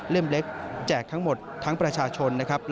เล็กแจกทั้งหมดทั้งประชาชนนะครับ